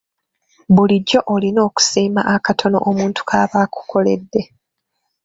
Bulijjo olina okusiima akatono omuntu kaaba akukoledde.